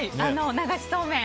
流しそうめん。